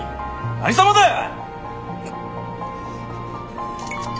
何様だよ！